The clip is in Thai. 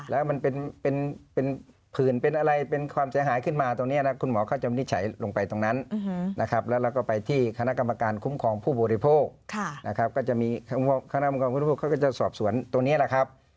แล้วมันเป็นผื่นเป็นอะไรเป็นความเสียหายขึ้นมาตรงนี้นะคุณหมอเขาจะวินิจฉัยลงไปตรงนั้นนะครับแล้วเราก็ไปที่คณะกรรมการคุ้มครองผู้บริโภคนะครับก็จะมีคณะกรรมการพุทธโภคเขาก็จะสอบสวนตรงนี้แหละครับ